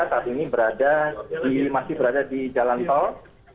saat ini masih berada di jalan tol